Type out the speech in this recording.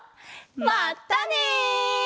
まったね！